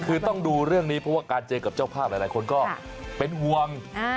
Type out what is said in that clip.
คือต้องดูเรื่องนี้เพราะว่าการเจอกับเจ้าภาพหลายคนก็เป็นห่วง